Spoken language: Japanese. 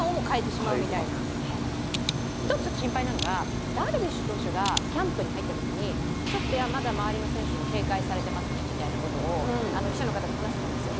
１つ心配なのが、ダルビッシュ投手がキャンプに入ったときにちょっとまだ周りの選手に警戒されてますねみたいなことを記者の方に話してたんですよ。